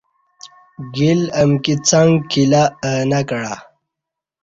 گیل امکی څݣ کیلہ اہ انہ کعہ